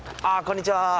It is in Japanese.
ああこんにちは。